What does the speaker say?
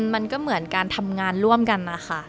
มันก็เหมือนการทำงานร่วมกันนะคะ